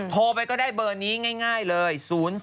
โทรไปก็ได้เบอร์นี้ง่ายเลย